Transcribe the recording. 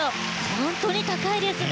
本当に高いですね。